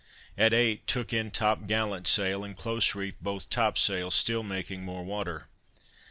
At eight, took in top gallant sail, and close reefed both top sails, still making more water.